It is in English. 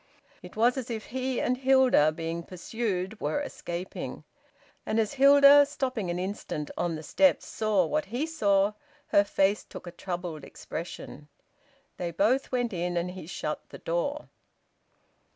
It was as if he and Hilda, being pursued, were escaping. And as Hilda, stopping an instant on the step, saw what he saw, her face took a troubled expression. They both went in and he shut the door.